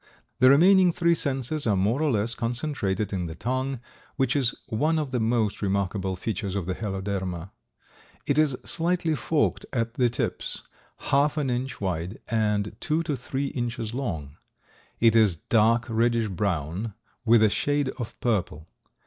The remaining three senses are more or less concentrated in the tongue which is one of the most remarkable features of the Heloderma. It is slightly forked at the tips, half an inch wide and two to three inches long; it is dark reddish brown with a shade of purple.